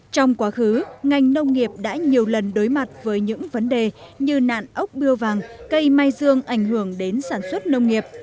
trong quá khứ ngành nông nghiệp đã nhiều lần đối mặt với những vấn đề như nạn ốc biêu vàng cây mai dương ảnh hưởng đến sản xuất nông nghiệp